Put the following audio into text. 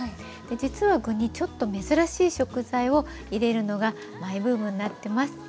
実は具にちょっと珍しい食材を入れるのがマイブームになってます。